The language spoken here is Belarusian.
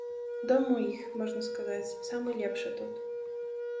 Дом у іх, можна сказаць, самы лепшы тут.